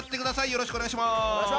よろしくお願いします。